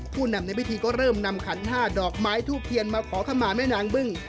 ผู้นำในพิธีก็เริ่มนำขันห้าดอกไม้ทูบเทียนมาขอขมาแม่นางบึ้ง